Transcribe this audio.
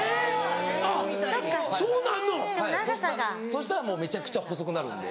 そしたらもうめちゃくちゃ細くなるんで。